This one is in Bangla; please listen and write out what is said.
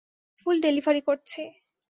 ফুল ডেলিভারী করছি।